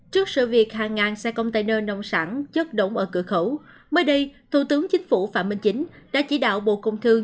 trước sự việc hàng ngàn xe container nông sản chất đổng ở cửa khẩu mới đây thủ tướng chính phủ phạm minh chính đã chỉ đạo bộ công thương